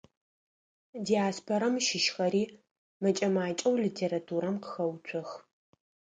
Диаспорэм щыщхэри мэкӏэ-макӏэу литературэм къыхэуцох.